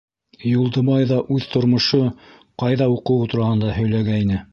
Юлдыбай ҙа үҙ тормошо, ҡайҙа уҡыуы тураһында һөйләгәйне.